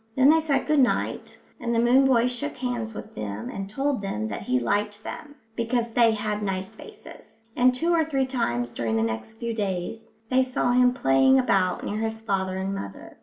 Then they said good night, and the moon boy shook hands with them and told them that he liked them, because they had nice faces; and two or three times during the next few days they saw him playing about near his father and mother.